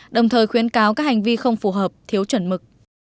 đồng thời khuyến cáo các hành vi không phù hợp thiếu chuẩn mực